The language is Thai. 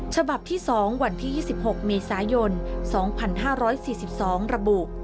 ฉบับที่๒วันที่๒๖เมษายน๒๕๔๒ระบุ